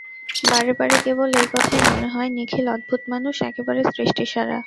বারে বারে কেবল এই কথাই মনে হয়–নিখিল অদ্ভুত মানুষ, একেবারে সৃষ্টিছাড়া।